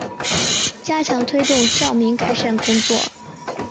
加强推动照明改善工作